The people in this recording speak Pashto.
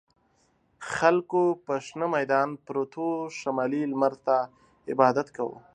خلکو په شنه میدان پروتو شمالي لمر ته عبادت کاوه.